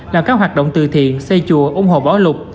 làm các hoạt động từ thiện xây chùa ủng hộ bảo lục